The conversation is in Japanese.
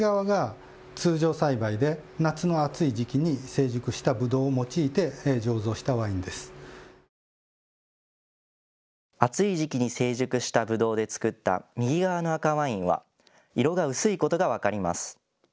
暑い時期に成熟したぶどうで作った右側の赤ワインは色が薄いことが分かります。